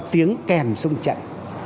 tiếng kèn sung trận